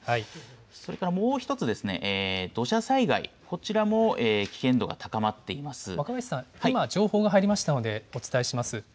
それからもう１つですね、土砂災害、若林さん、今、情報が入りましたのでお伝えします。